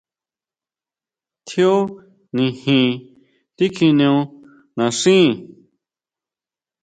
Tjíó nijin tikjineo naxíi.